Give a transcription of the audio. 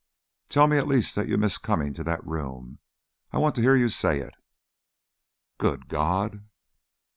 "Tell me at least that you miss coming to that room I want to hear you say it." "Good God!"